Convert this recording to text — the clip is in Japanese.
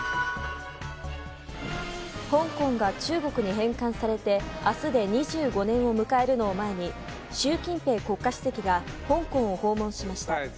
香港が中国に返還されて明日で２５年を迎えるのを前に習近平国家主席が香港を訪問しました。